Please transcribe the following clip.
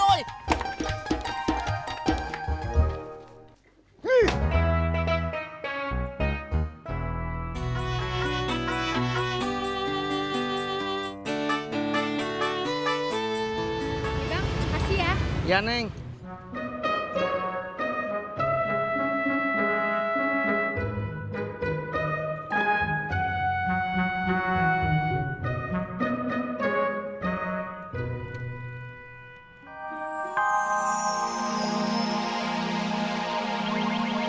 oke bang terima kasih ya